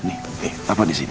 nih papa disini